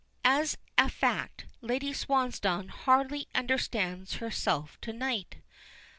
As a fact, Lady Swansdown hardly understands herself to night.